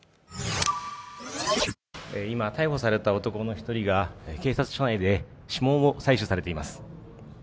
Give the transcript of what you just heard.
今、逮捕された男の一人が警察署内で指紋を採取されています。